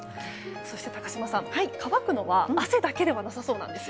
そして、高島さん、乾くのは汗だけではなさそうなんです。